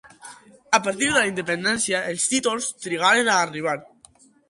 A partir de la independència, els títols trigaren a arribar.